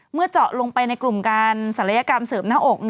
เจาะลงไปในกลุ่มการศัลยกรรมเสริมหน้าอก